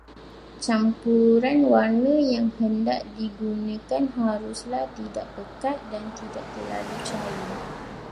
Campuran warna yang hendak digunakan haruslah tidak pekat dan tidak terlalu cair.